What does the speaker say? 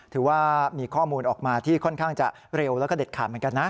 ถือว่ามีข้อมูลออกมาที่ค่อนข้างจะเร็วแล้วก็เด็ดขาดเหมือนกันนะ